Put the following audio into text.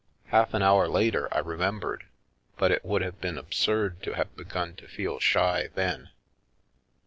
Half an hour later I remembered, but it would have been absurd to have begun to feel shy then.